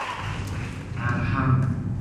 ارحم